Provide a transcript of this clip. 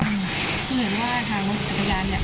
คือเห็นว่าทางรถจักรยานเนี่ย